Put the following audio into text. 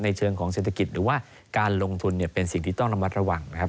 เชิงของเศรษฐกิจหรือว่าการลงทุนเป็นสิ่งที่ต้องระมัดระวังนะครับ